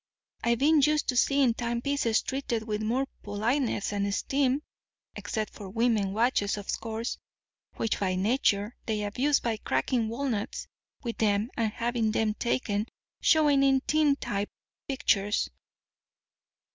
I've been used to seeing time pieces treated with more politeness and esteem—except women's watches, of course, which by nature they abuse by cracking walnuts with 'em and having 'em taken showing in tintype pictures.